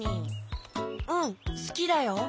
うんすきだよ。